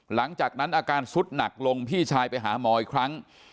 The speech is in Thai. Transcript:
หลังจากนั้นอาการสุดหนักลงพี่ชายไปหาหมออีกครั้ง